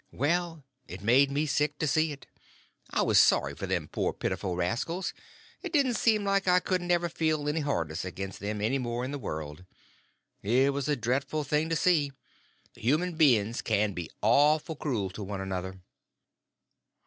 Well, it made me sick to see it; and I was sorry for them poor pitiful rascals, it seemed like I couldn't ever feel any hardness against them any more in the world. It was a dreadful thing to see. Human beings can be awful cruel to one another.